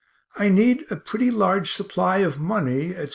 I need a pretty large supply of money, etc.